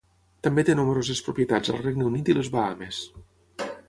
També té nombroses propietats al Regne Unit i les Bahames.